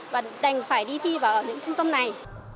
và đành phải đi thi vào ở những trung tâm này